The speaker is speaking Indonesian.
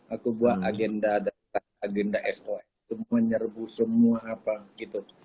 aku buat agenda soe semua nyerebu semua apa gitu